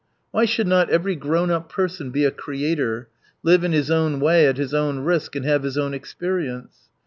Why should not every grown up person be a creator, live in his own way at his own risk and have his own experience